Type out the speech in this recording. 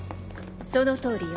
そのとおりよ。